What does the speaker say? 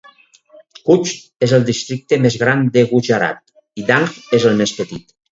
Kutch és el districte més gran de Gujarat i Dang és el més petit.